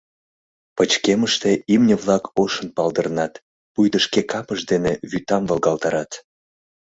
Пычкемыште имне-влак ошын палдырнат, пуйто шке капышт дене вӱтам волгалтарат.